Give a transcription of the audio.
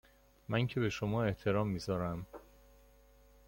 من که به شما احترام میذارم